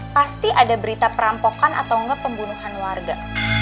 pasti ada berita perampokan atau enggak pembunuhan warga